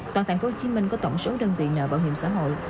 toàn thành phố hồ chí minh có tổng số đơn vị nợ bảo hiểm xã hội